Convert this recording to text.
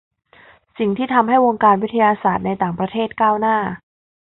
สิ่งที่ทำให้วงการวิทยาศาสตร์ในต่างประเทศก้าวหน้า